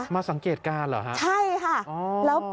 สังเกตการณ์เหรอฮะใช่ค่ะ